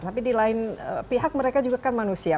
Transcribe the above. tapi di lain pihak mereka juga kan manusia